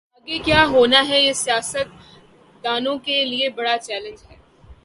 آگے کیا ہوناہے یہ سیاست دانوں کے لئے بڑا چیلنج ہے۔